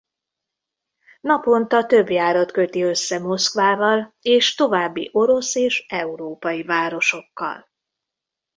Naponta több járat köti össze Moszkvával és további orosz és európai városokkal.